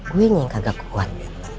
gue yang kagak kuat